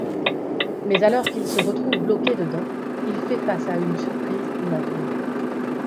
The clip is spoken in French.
Mais alors qu'il se retrouve bloqué dedans, il fait face à une surprise inattendue.